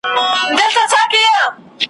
په تعویذ مو قسمتونه چپه کیږي `